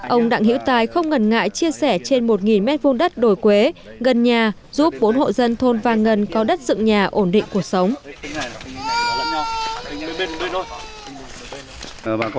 ông đặng hiễu tài không ngần ngại chia sẻ trên một m hai đồi quế gần nhà giúp bốn hộ dân thôn vàng ngân có đất dựng nhà ổn định cuộc sống